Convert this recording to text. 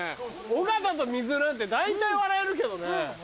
尾形と水なんて大体笑えるけどね。